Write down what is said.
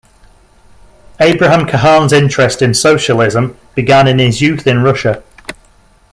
Abraham Cahan's interest in socialism began in his youth in Russia.